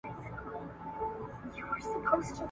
تر مطلبه یاري ..